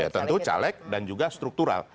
tentu caleg dan juga struktural